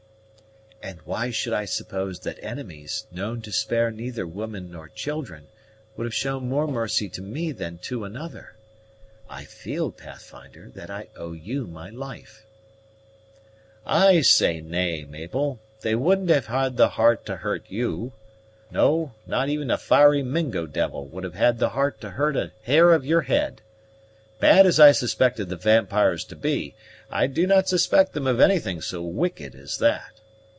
"And why should I suppose that enemies, known to spare neither women nor children, would have shown more mercy to me than to another? I feel, Pathfinder, that I owe you my life." "I say nay, Mabel; they wouldn't have had the heart to hurt you. No, not even a fiery Mingo devil would have had the heart to hurt a hair of your head. Bad as I suspect the vampires to be, I do not suspect them of anything so wicked as that.